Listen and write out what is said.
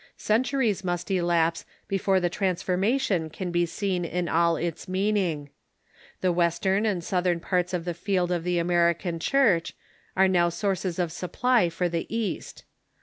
Centuries must elapse before the transfor mation can be seen in all its meaning. The Western and Southern parts of the field of the American Chui'ch are now sources of supply for the East.